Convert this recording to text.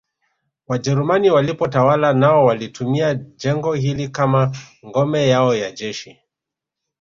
Wajerumani walipotawala nao walilitumia jengo hili kama ngome yao ya jeshi